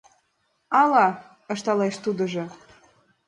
— Ала... — ышталеш тудыжо.